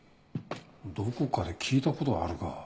どこかで聞いたことあるが。